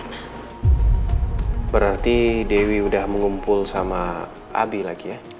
saya mau liat kesini ksatria